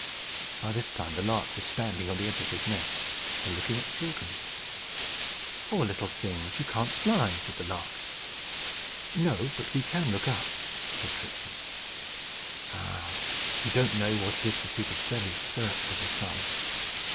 By this time the lark was standing on the edge of his nest and looking at the children. "Poor little things! You can't fly," said the lark. "No; but we can look up," said Tricksey. "Ah, you don't know what it is to see the very first of the sun."